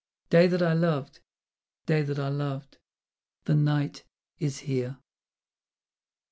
. Day that I loved, day that I loved, the Night is here!